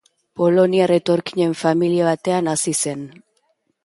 Poloniar etorkinen familia batean hazi zen.